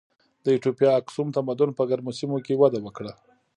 د ایتوپیا اکسوم تمدن په ګرمو سیمو کې وده وکړه.